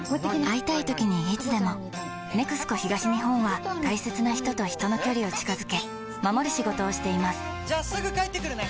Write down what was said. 会いたいときにいつでも「ＮＥＸＣＯ東日本」は大切な人と人の距離を近づけ守る仕事をしていますじゃあすぐ帰ってくるね！